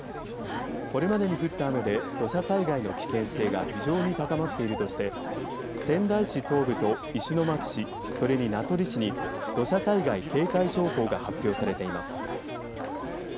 これまでに降った雨で土砂災害の危険性が非常に高まっているとして仙台市東部と石巻市それに名取市に土砂災害警戒情報が発表されています。